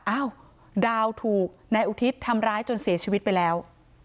อ้าวดาวถูกนายอุทิศทำร้ายจนเสียชีวิตไปแล้ว